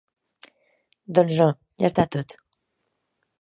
Doncs no, ja està tot.